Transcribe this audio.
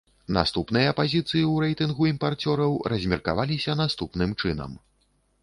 Наступныя пазіцыі ў рэйтынгу імпарцёраў размеркаваліся наступным чынам.